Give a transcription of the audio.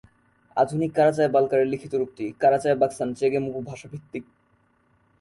আধুনিক কারাচায়-বালকারের লিখিত রূপটি কারাচায়-বাকসান-চেগেম উপভাষা ভিত্তিক।